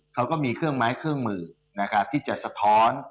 เขาก็มีเครื่องไม้เครื่องมือนะครับที่จะสะท้อน